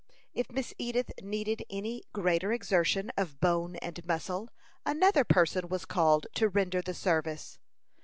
If Miss Edith needed any greater exertion of bone and muscle, another person was called to render the service.